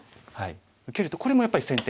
受けるとこれもやっぱり先手。